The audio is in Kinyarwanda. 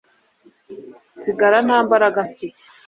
nsigara nta mbaraga mfite